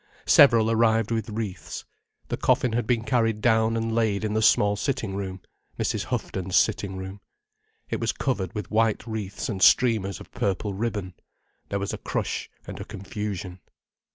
Several arrived with wreaths. The coffin had been carried down and laid in the small sitting room—Mrs. Houghton's sitting room. It was covered with white wreaths and streamers of purple ribbon. There was a crush and a confusion.